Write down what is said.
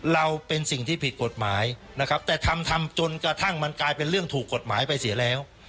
เราเป็นสิ่งที่ผิดกฎหมายนะครับแต่ทำทำจนกระทั่งมันกลายเป็นเรื่องถูกกฎหมายไปเสียแล้ว